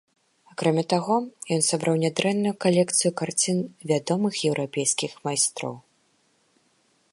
Акрамя таго ён сабраў нядрэнную калекцыю карцін вядомых еўрапейскіх майстроў.